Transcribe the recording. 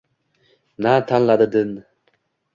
Na tanladi din